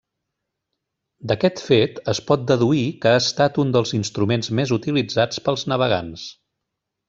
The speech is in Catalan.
D'aquest fet es pot deduir que ha estat un dels instruments més utilitzats pels navegants.